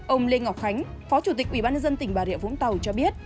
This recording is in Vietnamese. ông lê ngọc khánh phó chủ tịch ubnd tỉnh bà rịa vũng tàu cho biết